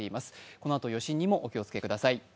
このあと余震にもお気をつけください。